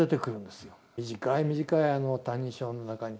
短い短いあの「歎異抄」の中に。